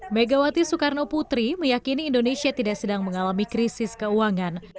megawati soekarno putri meyakini indonesia tidak sedang mengalami krisis keuangan